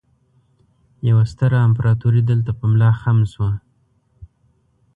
يوه ستره امپراتورۍ دلته په ملا خم شوه